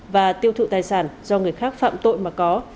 và tiêu thụ tài sản do người khác phạm tội mà có